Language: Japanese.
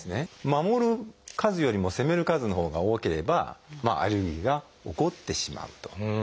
守る数よりも攻める数のほうが多ければアレルギーが起こってしまうと。